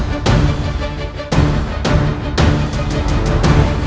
kita kemampuan certainly